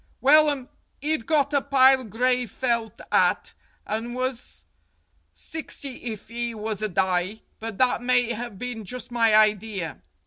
"Wellum, 'e'd got a pile gray felt 'at and was sixty if 'e was a dye, but that may have been just my idea.